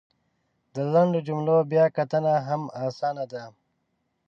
د لنډو جملو بیا کتنه هم اسانه ده !